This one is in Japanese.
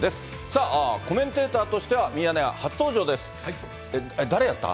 さあ、コメンテーターとしてはミヤネ屋初登場です。